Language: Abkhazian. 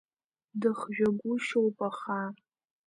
Дыхжәагәышьоуп, аха…